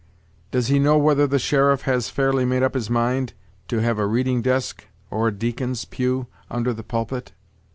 Does he know whether the sheriff has fairly made up his mind to have a reading desk or a deacon's pew under the pulpit?"